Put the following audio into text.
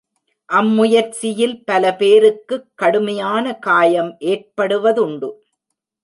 அம்முயற்சியில் பல பேருக்குக் கடுமையான காயம் ஏற்படுவதுண்டு.